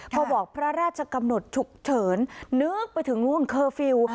พอบอกพระราชกำหนดฉุกเฉินนึกไปถึงนู่นเคอร์ฟิลล์